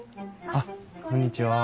あっこんにちは。